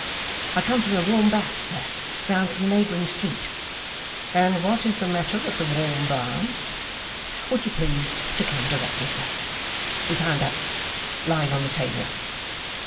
'I come from the warm baths, sir, round in the neighbouring street.' 'And what is the matter at the warm baths?' 'Would you please to come directly, sir. We found that, lying on the table.